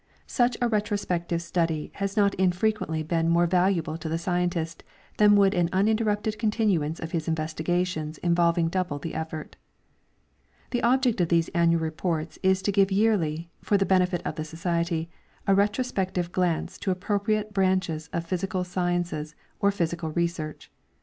Such a retrospective study has not infre quently been more valuable to the scientist than would an uninterrupted continuance of his investigations involving double the effort. The object of these annual reports is to give yearly, for the benefit of the Society, a retrospective glance to appropriate branches of physical sciences or physical research.